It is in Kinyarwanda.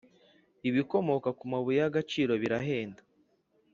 ibikomoka ku mabuye yagaciro birahenda